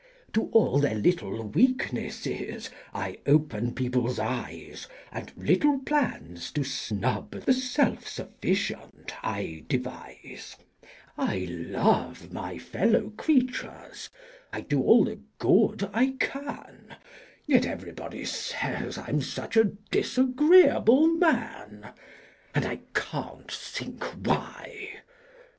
To all their little weaknesses I open people's eyes And little plans to snub the self sufficient I devise; I love my fellow creatures I do all the good I can Yet everybody say I'm such a disagreeable man! And I can't think why!